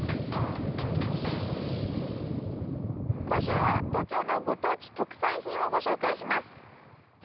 今週は東京のご当地特産品をご紹介します。